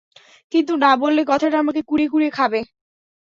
কিন্তু না বললে কথাটা আমাকে কুঁড়ে কুঁড়ে খাবে।